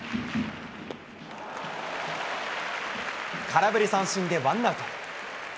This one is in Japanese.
空振り三振でワンアウト。